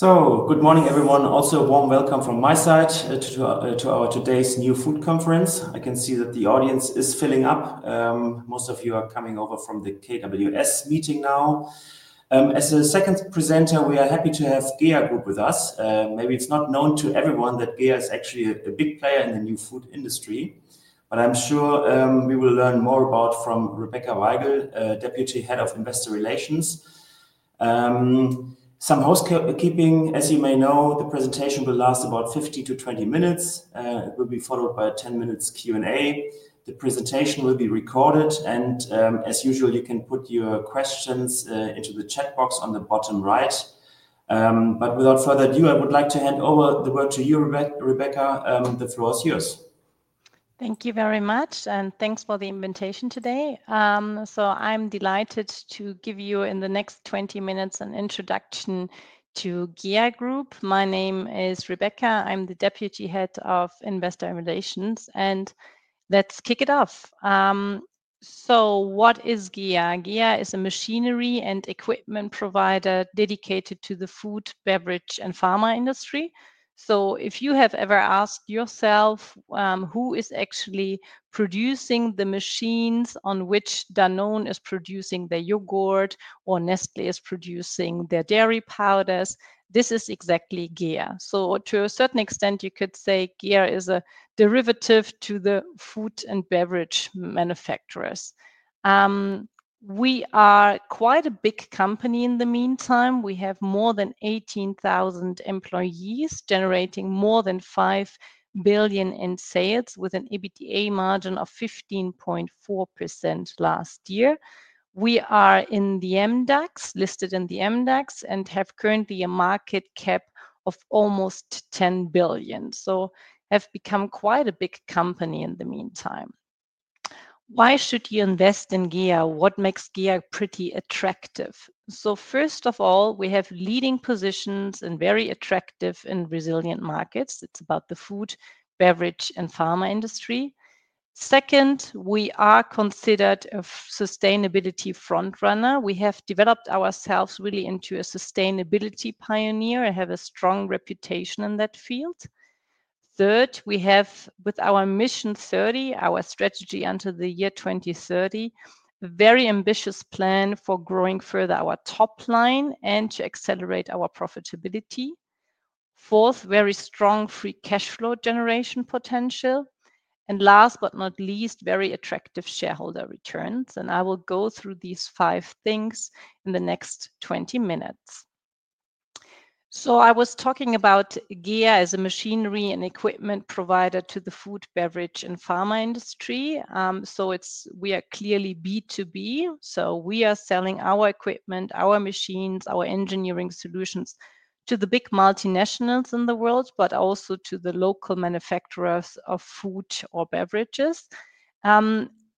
Good morning, everyone. Also, a warm welcome from my side to our today's new food conference. I can see that the audience is filling up. Most of you are coming over from the KWS meeting now. As a second presenter, we are happy to have GEA Group with us. Maybe it is not known to everyone that GEA is actually a big player in the new food industry, but I am sure we will learn more about that from Rebecca Weigl, Deputy Head of Investor Relations. Some housekeeping: as you may know, the presentation will last about 15-20 minutes. It will be followed by a 10-minute Q&A. The presentation will be recorded, and as usual, you can put your questions into the chat box on the bottom right. Without further ado, I would like to hand over the word to you, Rebecca. The floor is yours. Thank you very much, and thanks for the invitation today. I'm delighted to give you, in the next 20 minutes, an introduction to GEA Group. My name is Rebecca. I'm the Deputy Head of Investor Relations, and let's kick it off. What is GEA? GEA is a machinery and equipment provider dedicated to the food, beverage, and pharma industry. If you have ever asked yourself, who is actually producing the machines on which Danone is producing their yogurt, or Nestlé is producing their dairy powders, this is exactly GEA. To a certain extent, you could say GEA is a derivative to the food and beverage manufacturers. We are quite a big company. In the meantime, we have more than 18,000 employees generating more than 5 billion in sales, with an EBITDA margin of 15.4% last year. We are in the MDAX, listed in the MDAX, and have currently a market cap of almost 10 billion. We have become quite a big company in the meantime. Why should you invest in GEA? What makes GEA pretty attractive? First of all, we have leading positions and are very attractive in resilient markets. It is about the food, beverage, and pharma industry. Second, we are considered a sustainability frontrunner. We have developed ourselves really into a sustainability pioneer and have a strong reputation in that field. Third, we have, with our Mission 30, our strategy until the year 2030, a very ambitious plan for growing further our top line and to accelerate our profitability. Fourth, very strong free cash flow generation potential. Last but not least, very attractive shareholder returns. I will go through these five things in the next 20 minutes. I was talking about GEA as a machinery and equipment provider to the food, beverage, and pharma industry. We are clearly B2B. We are selling our equipment, our machines, our engineering solutions to the big multinationals in the world, but also to the local manufacturers of food or beverages.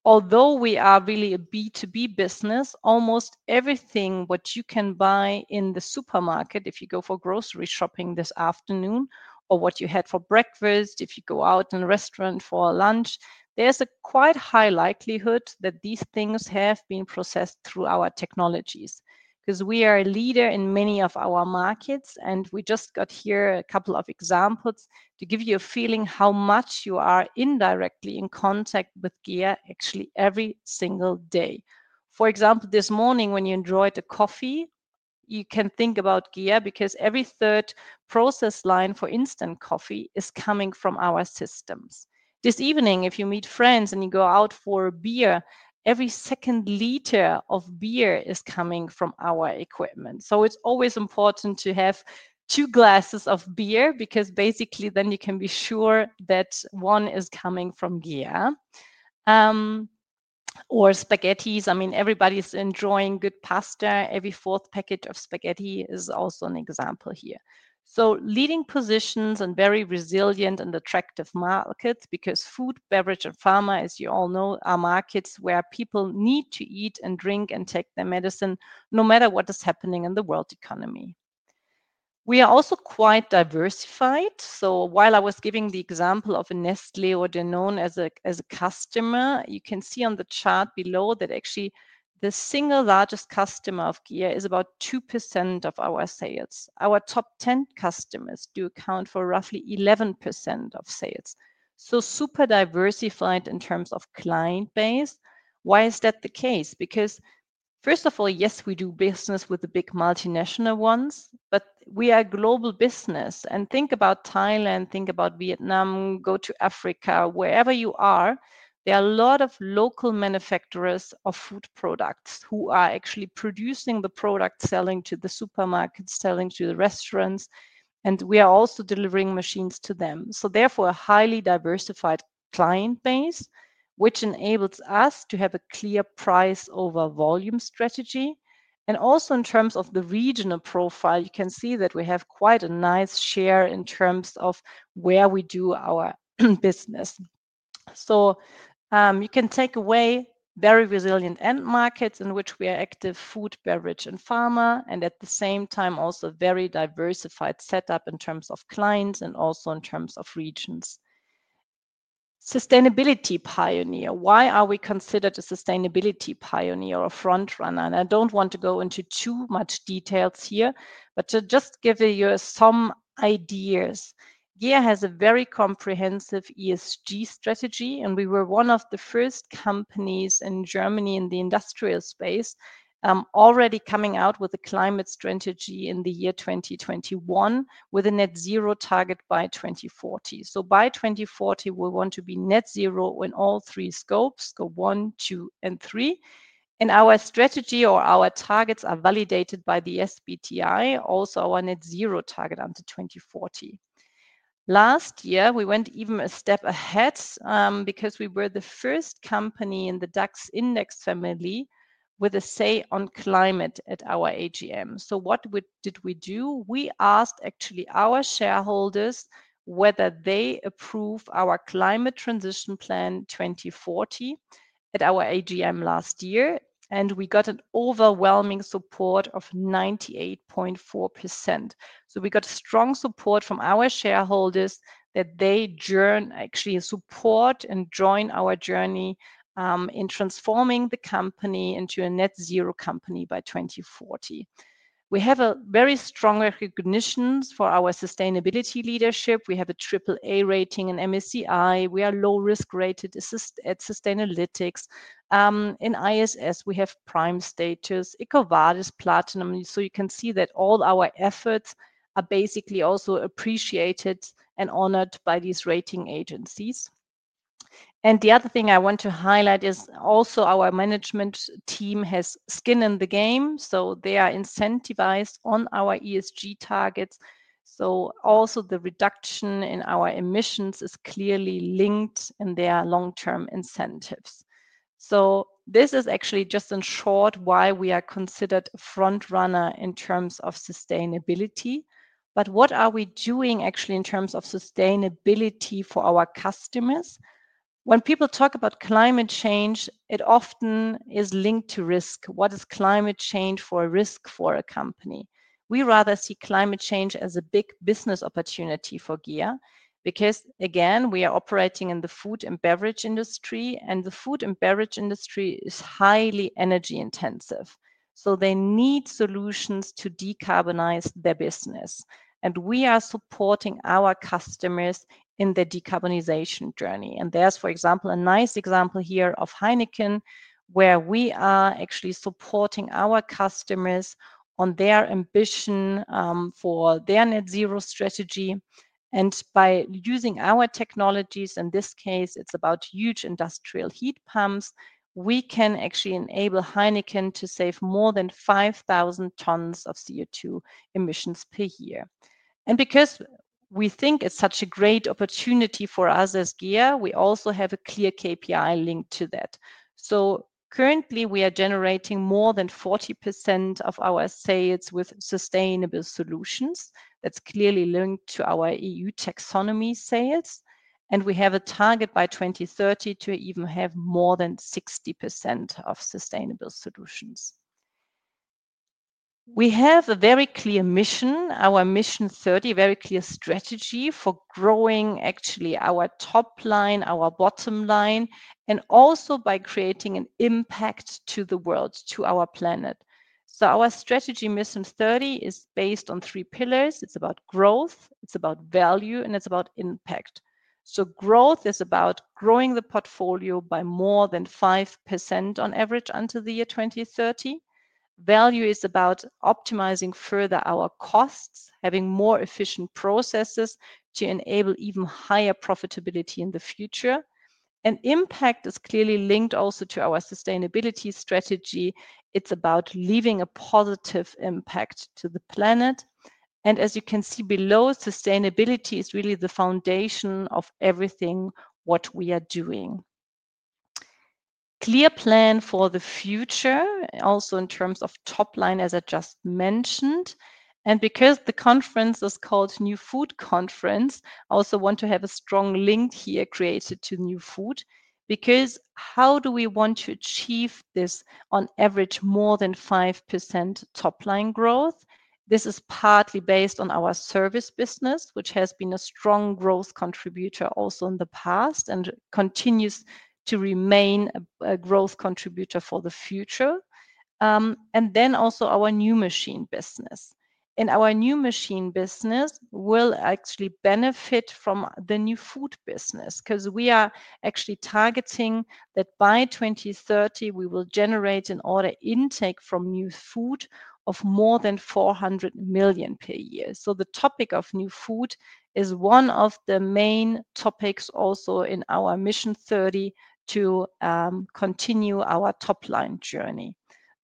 Although we are really a B2B business, almost everything that you can buy in the supermarket, if you go for grocery shopping this afternoon, or what you had for breakfast, if you go out in a restaurant for lunch, there is a quite high likelihood that these things have been processed through our technologies because we are a leader in many of our markets. We just got here a couple of examples to give you a feeling of how much you are indirectly in contact with GEA actually every single day. For example, this morning, when you enjoyed a coffee, you can think about GEA because every third process line for instant coffee is coming from our systems. This evening, if you meet friends and you go out for a beer, every second liter of beer is coming from our equipment. It is always important to have two glasses of beer because basically then you can be sure that one is coming from GEA. Or spaghetti. I mean, everybody is enjoying good pasta. Every fourth packet of spaghetti is also an example here. Leading positions and very resilient and attractive markets because food, beverage, and pharma, as you all know, are markets where people need to eat and drink and take their medicine no matter what is happening in the world economy. We are also quite diversified. While I was giving the example of a Nestlé or Danone as a customer, you can see on the chart below that actually the single largest customer of GEA is about 2% of our sales. Our top 10 customers do account for roughly 11% of sales. Super diversified in terms of client base. Why is that the case? First of all, yes, we do business with the big multinational ones, but we are a global business. Think about Thailand, think about Vietnam, go to Africa, wherever you are, there are a lot of local manufacturers of food products who are actually producing the product, selling to the supermarkets, selling to the restaurants, and we are also delivering machines to them. Therefore, a highly diversified client base, which enables us to have a clear price over volume strategy. Also in terms of the regional profile, you can see that we have quite a nice share in terms of where we do our business. You can take away very resilient end markets in which we are active: food, beverage, and pharma, and at the same time also a very diversified setup in terms of clients and also in terms of regions. Sustainability pioneer. Why are we considered a sustainability pioneer or a frontrunner? I do not want to go into too much detail here, but to just give you some ideas, GEA has a very comprehensive ESG strategy, and we were one of the first companies in Germany in the industrial space already coming out with a climate strategy in the year 2021 with a net zero target by 2040. By 2040, we want to be net zero in all three scopes: scope one, two, and three. Our strategy or our targets are validated by the SBTi and also our net zero target until 2040. Last year, we went even a step ahead because we were the first company in the DAX index family with a say on climate at our AGM. What did we do? We asked actually our shareholders whether they approve our climate transition plan 2040 at our AGM last year, and we got an overwhelming support of 98.4%. We got strong support from our shareholders that they actually support and join our journey in transforming the company into a net zero company by 2040. We have a very strong recognition for our sustainability leadership. We have a triple-A rating in MSCI. We are low-risk rated at Sustainalytics. In ISS, we have prime status, EcoVadis, Platinum. You can see that all our efforts are basically also appreciated and honored by these rating agencies. The other thing I want to highlight is also our management team has skin in the game. They are incentivized on our ESG targets. The reduction in our emissions is clearly linked in their long-term incentives. This is actually just in short why we are considered a frontrunner in terms of sustainability. What are we doing actually in terms of sustainability for our customers? When people talk about climate change, it often is linked to risk. What is climate change for a risk for a company? We rather see climate change as a big business opportunity for GEA because, again, we are operating in the food and beverage industry, and the food and beverage industry is highly energy intensive. They need solutions to decarbonize their business. We are supporting our customers in their decarbonization journey. There is, for example, a nice example here of Heineken, where we are actually supporting our customers on their ambition for their net zero strategy. By using our technologies, in this case, it is about huge industrial heat pumps, we can actually enable Heineken to save more than 5,000 tons of CO2 emissions per year. Because we think it is such a great opportunity for us as GEA, we also have a clear KPI linked to that. Currently, we are generating more than 40% of our sales with sustainable solutions. That is clearly linked to our EU taxonomy sales. We have a target by 2030 to even have more than 60% of sustainable solutions. We have a very clear mission, our Mission 30, very clear strategy for growing actually our top line, our bottom line, and also by creating an impact to the world, to our planet. Our strategy, Mission 30, is based on three pillars. It is about growth, it is about value, and it is about impact. Growth is about growing the portfolio by more than 5% on average until the year 2030. Value is about optimizing further our costs, having more efficient processes to enable even higher profitability in the future. Impact is clearly linked also to our sustainability strategy. It is about leaving a positive impact to the planet. As you can see below, sustainability is really the foundation of everything what we are doing. Clear plan for the future, also in terms of top line, as I just mentioned. Because the conference is called New Food Conference, I also want to have a strong link here created to new food because how do we want to achieve this on average more than 5% top line growth? This is partly based on our service business, which has been a strong growth contributor also in the past and continues to remain a growth contributor for the future. Then also our new machine business. Our new machine business will actually benefit from the new food business because we are actually targeting that by 2030, we will generate an order intake from new food of more than 400 million per year. The topic of new food is one of the main topics also in our Mission 30 to continue our top line journey.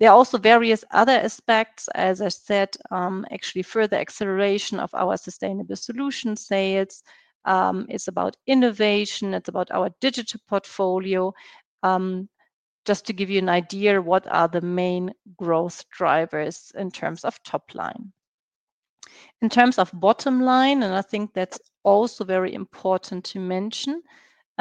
There are also various other aspects, as I said, actually further acceleration of our sustainable solution sales. It is about innovation. It is about our digital portfolio. Just to give you an idea, what are the main growth drivers in terms of top line? In terms of bottom line, and I think that is also very important to mention,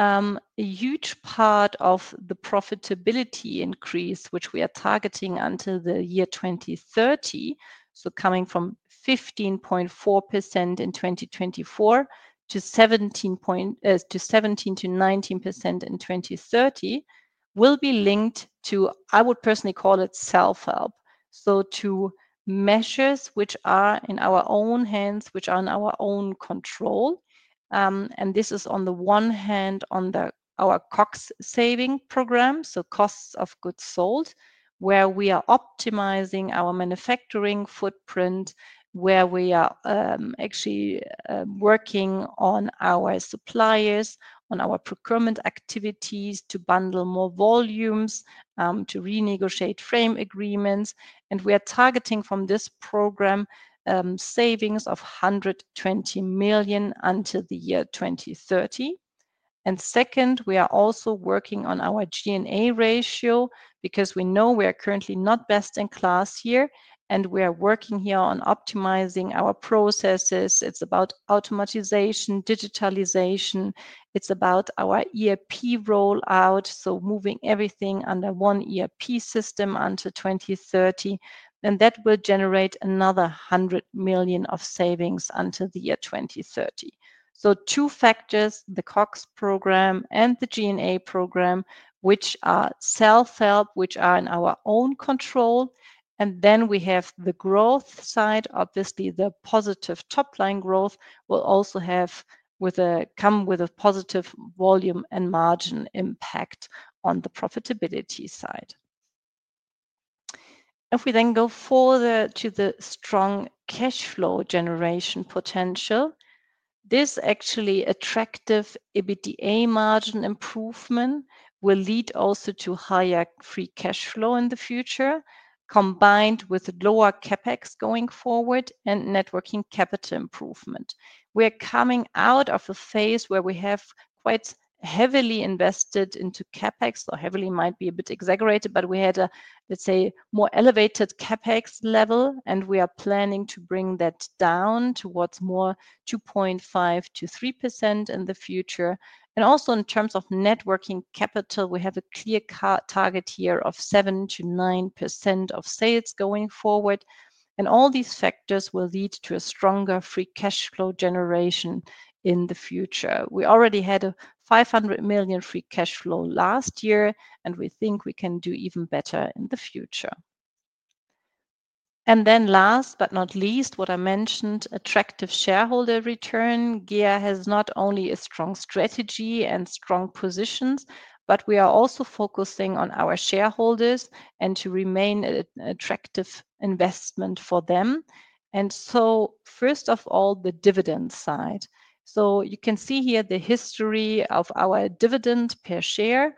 a huge part of the profitability increase, which we are targeting until the year 2030, so coming from 15.4% in 2024 to 17-19% in 2030, will be linked to, I would personally call it, self-help. To measures which are in our own hands, which are in our own control. This is on the one hand on our COGS saving program, so cost of goods sold, where we are optimizing our manufacturing footprint, where we are actually working on our suppliers, on our procurement activities to bundle more volumes, to renegotiate frame agreements. We are targeting from this program savings of 120 million until the year 2030. Second, we are also working on our G&A ratio because we know we are currently not best in class here, and we are working here on optimizing our processes. It is about automatization, digitalization. It is about our ERP rollout, moving everything under one ERP system until 2030. That will generate another 100 million of savings until the year 2030. Two factors, the COGS program and the G&A program, which are self-help, which are in our own control. We have the growth side, obviously the positive top line growth will also come with a positive volume and margin impact on the profitability side. If we then go further to the strong cash flow generation potential, this actually attractive EBITDA margin improvement will lead also to higher free cash flow in the future, combined with lower CapEx going forward and net working capital improvement. We are coming out of a phase where we have quite heavily invested into CapEx, or heavily might be a bit exaggerated, but we had a, let's say, more elevated CapEx level, and we are planning to bring that down towards more 2.5-3% in the future. Also in terms of net working capital, we have a clear target here of 7-9% of sales going forward. All these factors will lead to a stronger free cash flow generation in the future. We already had 500 million free cash flow last year, and we think we can do even better in the future. Last but not least, what I mentioned, attractive shareholder return. GEA has not only a strong strategy and strong positions, but we are also focusing on our shareholders and to remain an attractive investment for them. First of all, the dividend side. You can see here the history of our dividend per share.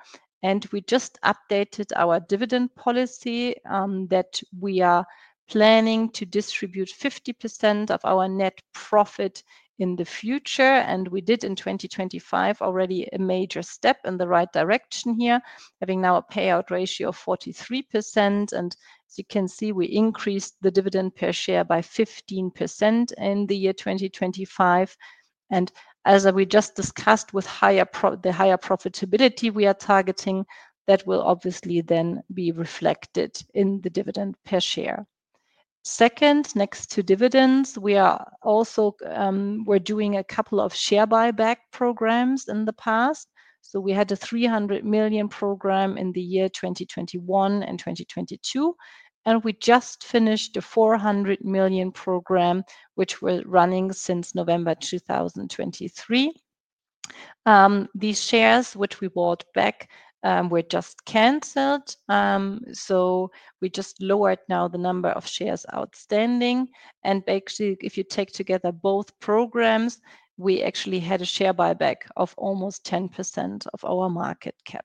We just updated our dividend policy that we are planning to distribute 50% of our net profit in the future. We did in 2025 already a major step in the right direction here, having now a payout ratio of 43%. As you can see, we increased the dividend per share by 15% in the year 2025. As we just discussed with the higher profitability we are targeting, that will obviously then be reflected in the dividend per share. Next to dividends, we are also doing a couple of share buyback programs in the past. We had a 300 million program in the year 2021 and 2022. We just finished the 400 million program, which we were running since November 2023. These shares which we bought back were just canceled. We just lowered now the number of shares outstanding. Actually, if you take together both programs, we actually had a share buyback of almost 10% of our market cap.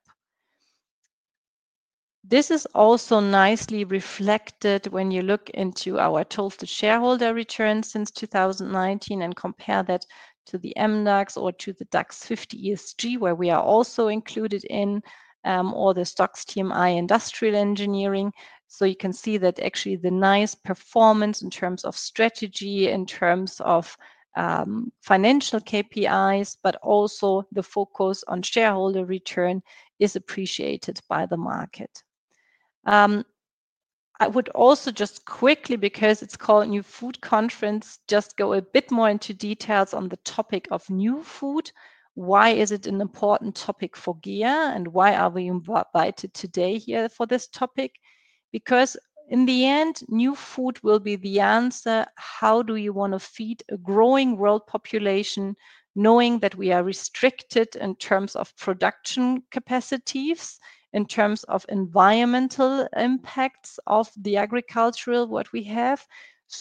This is also nicely reflected when you look into our total shareholder returns since 2019 and compare that to the MDAX or to the DAX 50 ESG, where we are also included in, or the Stoxx TMI Industrial Engineering. You can see that actually the nice performance in terms of strategy, in terms of financial KPIs, but also the focus on shareholder return is appreciated by the market. I would also just quickly, because it's called New Food Conference, just go a bit more into details on the topic of new food. Why is it an important topic for GEA and why are we invited today here for this topic? Because in the end, new food will be the answer. How do you want to feed a growing world population knowing that we are restricted in terms of production capacities, in terms of environmental impacts of the agricultural what we have?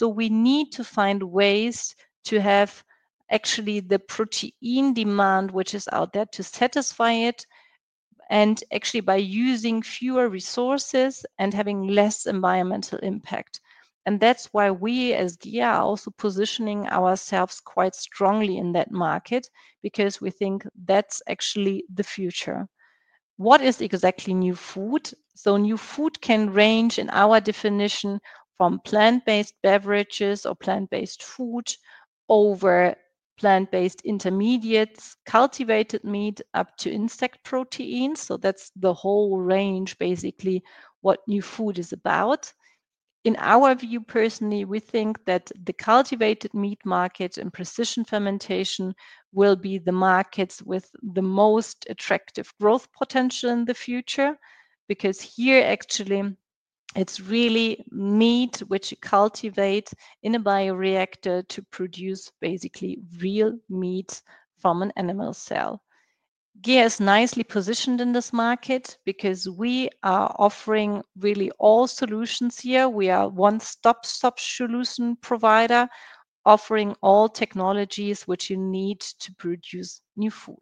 We need to find ways to have actually the protein demand which is out there to satisfy it and actually by using fewer resources and having less environmental impact. That is why we as GEA are also positioning ourselves quite strongly in that market because we think that is actually the future. What is exactly new food? New food can range in our definition from plant-based beverages or plant-based food over plant-based intermediates, cultivated meat up to insect proteins. That is the whole range basically what new food is about. In our view, personally, we think that the cultivated meat market and precision fermentation will be the markets with the most attractive growth potential in the future because here actually it's really meat which you cultivate in a bioreactor to produce basically real meat from an animal cell. GEA is nicely positioned in this market because we are offering really all solutions here. We are a one-stop solution provider, offering all technologies which you need to produce new food.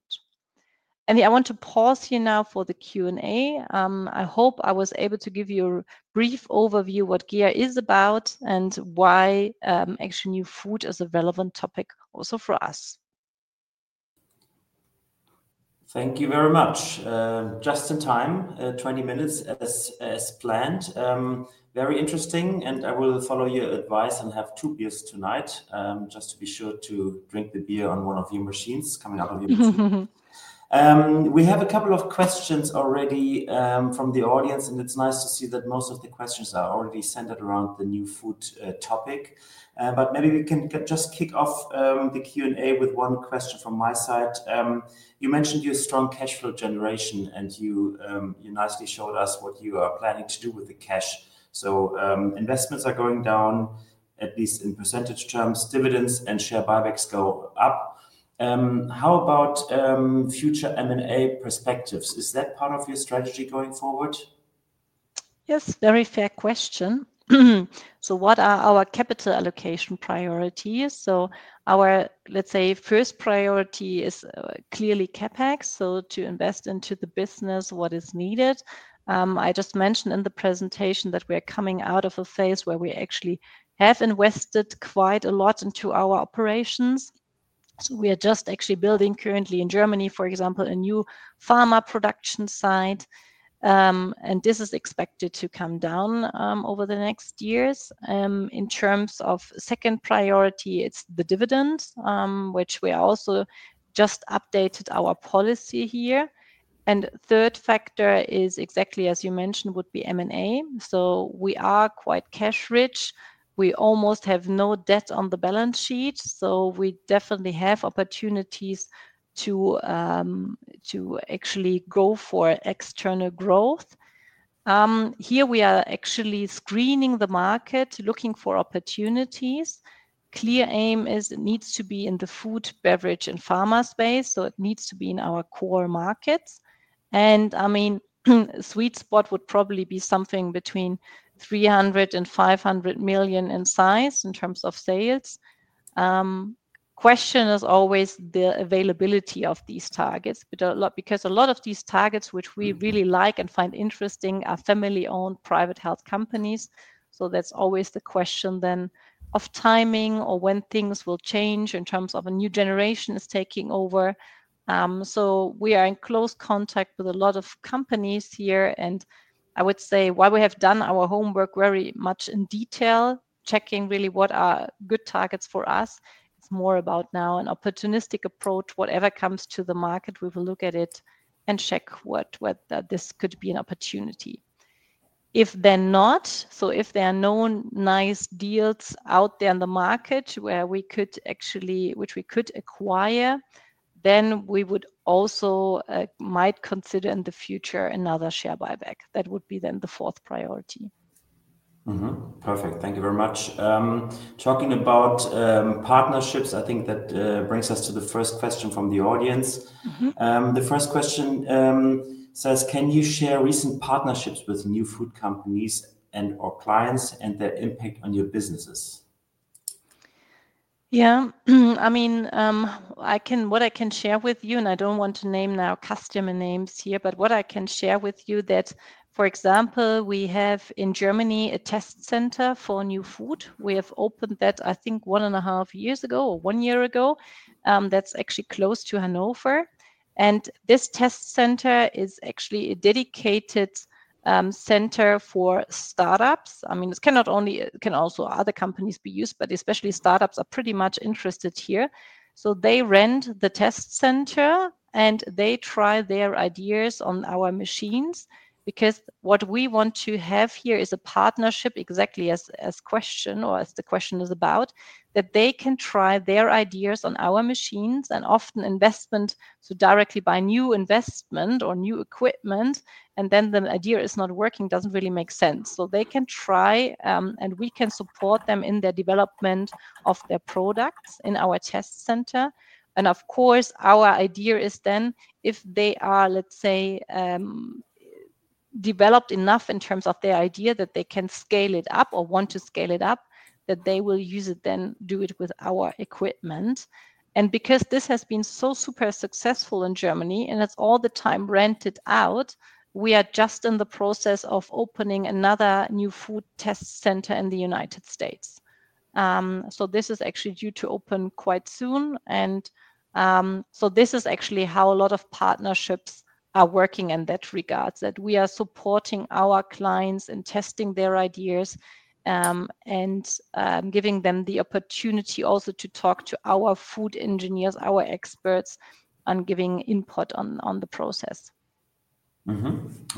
I want to pause here now for the Q&A. I hope I was able to give you a brief overview of what GEA is about and why actually new food is a relevant topic also for us. Thank you very much. Just in time, 20 minutes as planned. Very interesting. I will follow your advice and have two beers tonight, just to be sure to drink the beer on one of your machines coming out of your machine. We have a couple of questions already from the audience, and it is nice to see that most of the questions are already centered around the new food topic. Maybe we can just kick off the Q&A with one question from my side. You mentioned your strong cash flow generation, and you nicely showed us what you are planning to do with the cash. Investments are going down, at least in percentage terms. Dividends and share buybacks go up. How about future M&A perspectives? Is that part of your strategy going forward? Yes, very fair question. What are our capital allocation priorities? Our, let's say, first priority is clearly CapEx, to invest into the business what is needed. I just mentioned in the presentation that we are coming out of a phase where we actually have invested quite a lot into our operations. We are just actually building currently in Germany, for example, a new pharma production site. This is expected to come down over the next years. In terms of second priority, it's the dividends, which we also just updated our policy here. The third factor is exactly as you mentioned, would be M&A. We are quite cash rich. We almost have no debt on the balance sheet. We definitely have opportunities to actually go for external growth. Here we are actually screening the market, looking for opportunities. The clear aim is it needs to be in the food, beverage, and pharma space. It needs to be in our core markets. I mean, sweet spot would probably be something between 300 million and 500 million in size in terms of sales. The question is always the availability of these targets because a lot of these targets which we really like and find interesting are family-owned private health companies. That is always the question then of timing or when things will change in terms of a new generation taking over. We are in close contact with a lot of companies here. I would say while we have done our homework very much in detail, checking really what are good targets for us, it is more about now an opportunistic approach. Whatever comes to the market, we will look at it and check whether this could be an opportunity. If they're not, so if there are no nice deals out there in the market where we could actually, which we could acquire, then we would also might consider in the future another share buyback. That would be then the fourth priority. Perfect. Thank you very much. Talking about partnerships, I think that brings us to the first question from the audience. The first question says, can you share recent partnerships with new food companies and/or clients and their impact on your businesses? Yeah. I mean, what I can share with you, and I don't want to name now customer names here, but what I can share with you that, for example, we have in Germany a test center for new food. We have opened that, I think, one and a half years ago or one year ago. That's actually close to Hannover. This test center is actually a dedicated center for startups. I mean, it can not only, it can also other companies be used, but especially startups are pretty much interested here. They rent the test center and they try their ideas on our machines because what we want to have here is a partnership exactly as the question is about, that they can try their ideas on our machines and often investment to directly buy new investment or new equipment. The idea is not working, does not really make sense. They can try and we can support them in their development of their products in our test center. Of course, our idea is then if they are, let's say, developed enough in terms of their idea that they can scale it up or want to scale it up, that they will use it, then do it with our equipment. Because this has been so super successful in Germany and it's all the time rented out, we are just in the process of opening another new food test center in the United States. This is actually due to open quite soon. This is actually how a lot of partnerships are working in that regard, that we are supporting our clients and testing their ideas and giving them the opportunity also to talk to our food engineers, our experts on giving input on the process.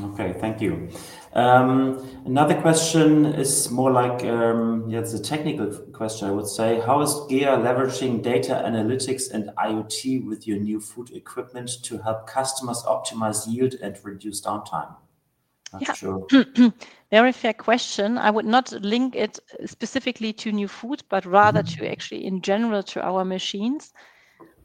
Okay. Thank you. Another question is more like, yeah, it's a technical question, I would say. How is GEA leveraging data analytics and IoT with your new food equipment to help customers optimize yield and reduce downtime? Not sure. Very fair question. I would not link it specifically to new food, but rather to actually in general to our machines.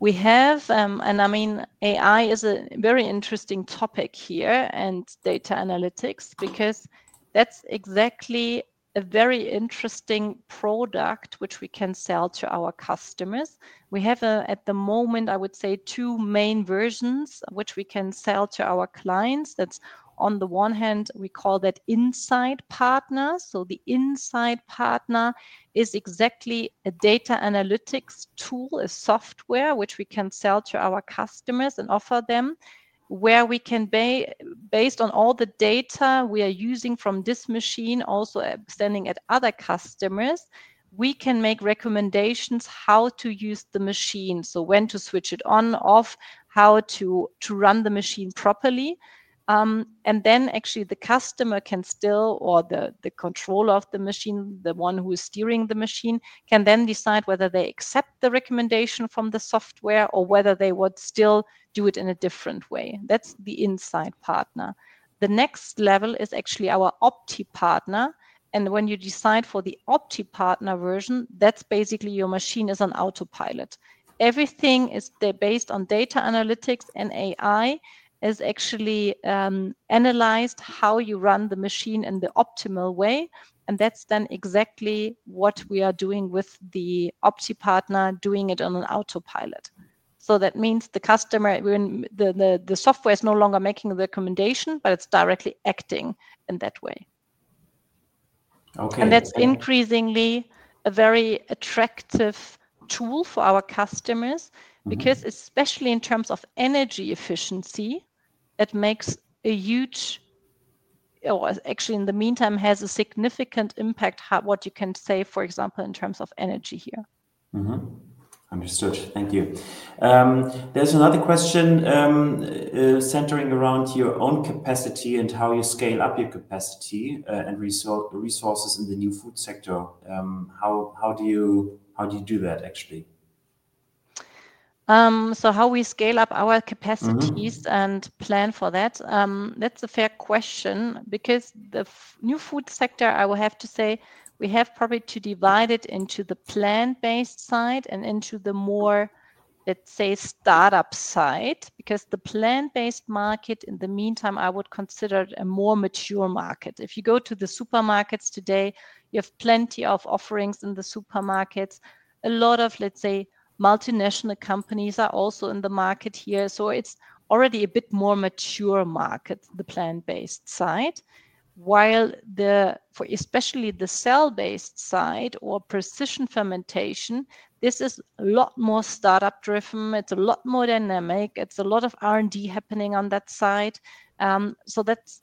We have, and I mean, AI is a very interesting topic here and data analytics because that's exactly a very interesting product which we can sell to our customers. We have at the moment, I would say, two main versions which we can sell to our clients. That's on the one hand, we call that Inside Partner. The Inside Partner is exactly a data analytics tool, a software which we can sell to our customers and offer them where we can, based on all the data we are using from this machine, also standing at other customers, we can make recommendations how to use the machine. For example, when to switch it on, off, how to run the machine properly. Actually, the customer can still, or the controller of the machine, the one who is steering the machine, can then decide whether they accept the recommendation from the software or whether they would still do it in a different way. That is the Inside Partner. The next level is actually our Opti Partner. When you decide for the Opti Partner version, that is basically your machine is on autopilot. Everything is based on data analytics and AI is actually analyzed how you run the machine in the optimal way. That is then exactly what we are doing with the Opti Partner, doing it on an autopilot. That means the customer, the software is no longer making the recommendation, but it is directly acting in that way. That is increasingly a very attractive tool for our customers because especially in terms of energy efficiency, it makes a huge, or actually in the meantime has a significant impact what you can save, for example, in terms of energy here. Understood. Thank you. There is another question centering around your own capacity and how you scale up your capacity and resources in the new food sector. How do you do that actually? How we scale up our capacities and plan for that? That's a fair question because the new food sector, I will have to say, we have probably to divide it into the plant-based side and into the more, let's say, startup side because the plant-based market in the meantime, I would consider it a more mature market. If you go to the supermarkets today, you have plenty of offerings in the supermarkets. A lot of, let's say, multinational companies are also in the market here. It is already a bit more mature market, the plant-based side. While especially the cell-based side or precision fermentation, this is a lot more startup-driven. It is a lot more dynamic. It is a lot of R&D happening on that side. That is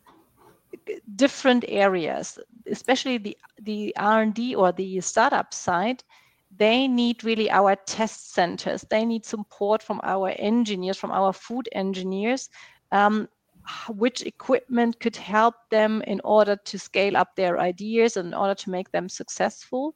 different areas. Especially the R&D or the startup side, they need really our test centers. They need support from our engineers, from our food engineers, which equipment could help them in order to scale up their ideas and in order to make them successful.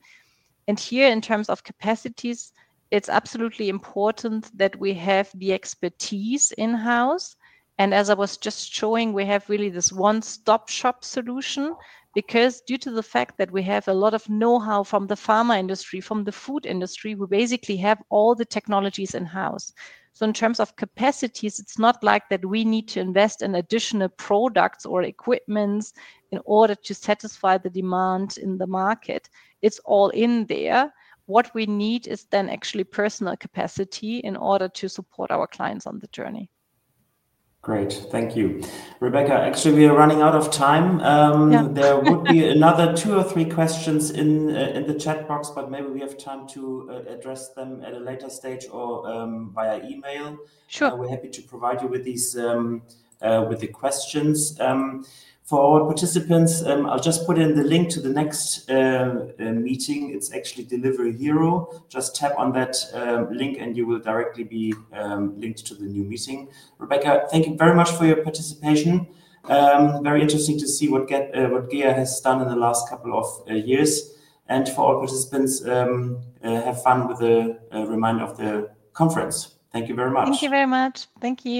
Here in terms of capacities, it is absolutely important that we have the expertise in-house. As I was just showing, we have really this one-stop-shop solution because due to the fact that we have a lot of know-how from the pharma industry, from the food industry, we basically have all the technologies in-house. In terms of capacities, it is not like that we need to invest in additional products or equipment in order to satisfy the demand in the market. It is all in there. What we need is then actually personal capacity in order to support our clients on the journey. Great. Thank you. Rebecca, actually, we are running out of time. There would be another two or three questions in the chat box, but maybe we have time to address them at a later stage or via email. We're happy to provide you with the questions. For our participants, I'll just put in the link to the next meeting. It's actually Delivery Hero. Just tap on that link and you will directly be linked to the new meeting. Rebecca, thank you very much for your participation. Very interesting to see what GEA has done in the last couple of years. For all participants, have fun with the reminder of the conference. Thank you very much. Thank you very much. Thank you.